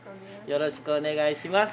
よろしくお願いします。